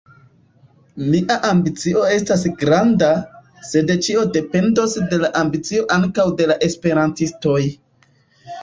Nia ambicio estas granda, sed ĉio dependos de la ambicio ankaŭ de la esperantistoj.